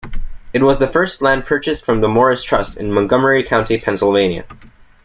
It was the first land purchased from the Morris Trust in Montgomery County, Pennsylvania.